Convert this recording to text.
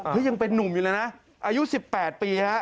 เฮ้ยยังเป็นนุ่มอยู่แล้วนะอายุ๑๘ปี